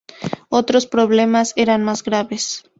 Otros problemas eran más graves.